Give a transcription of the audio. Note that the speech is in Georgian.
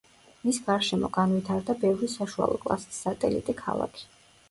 მის გარშემო განვითარდა ბევრი საშუალო კლასის სატელიტი ქალაქი.